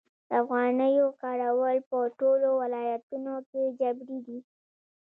د افغانیو کارول په ټولو ولایتونو کې جبري دي؟